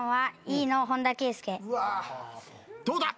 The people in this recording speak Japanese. どうだ？